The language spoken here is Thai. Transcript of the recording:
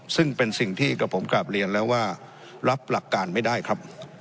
ซึ่งเป็นสิ่งที่กับผมกลับเรียนแล้วว่ารับหลักการไม่ได้ครับ